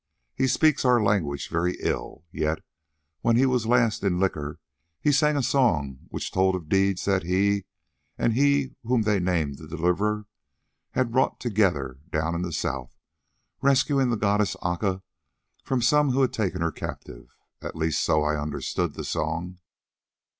He speaks our language very ill, yet when he was last in liquor he sang a song which told of deeds that he, and he whom they name the Deliverer, had wrought together down in the south, rescuing the goddess Aca from some who had taken her captive. At least, so I understood that song."